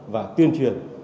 và tuyên truyền